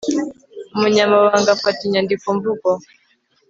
umunyamabanga afata inyandiko mvugo